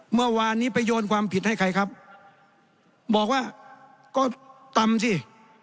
เมื่อวานนี้ไปโยนความผิดให้ใครครับบอกว่าก็ตำสิ